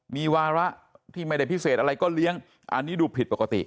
มีวาระที่ไม่ได้พิเศษอะไรก็เลี้ยงอันนี้ดูผิดปกติ